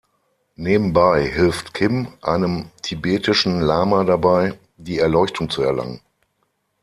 Nebenbei hilft Kim einem tibetischen Lama dabei, die Erleuchtung zu erlangen.